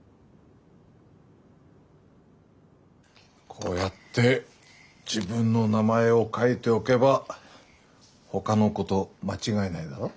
こうやって自分の名前を書いておけばほかの子と間違えないだろ？